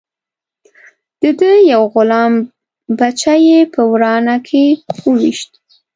د ده یو غلام بچه یې په ورانه کې وويشت.